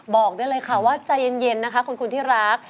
บอกได้เลยค่ะว่าใจเย็นนะคะคุณที่รัก